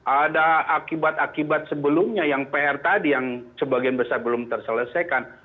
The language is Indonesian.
ada akibat akibat sebelumnya yang pr tadi yang sebagian besar belum terselesaikan